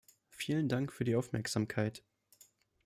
Vielen Dank für die Aufmerksamkeit.